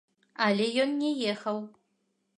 Але ён не ехаў.